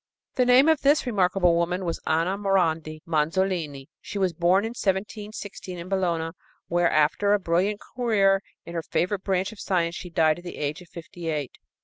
The name of this remarkable woman was Anna Morandi Manzolini. She was born in 1716 in Bologna, where, after a brilliant career in her favorite branch of science, she died at the age of fifty eight.